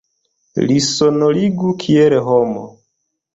Li sonorigu kiel homo.